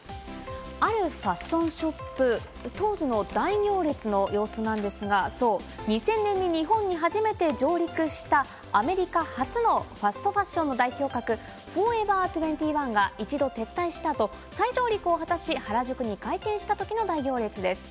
あるファッションショップ、当時の大行列の様子なんですが、そう２０００年に日本に初めて上陸したアメリカ発のファストファッションの代表格、ＦＯＲＥＶＥＲ２１が一度撤退した後、再上陸を果たし、原宿に開店した時の大行列です。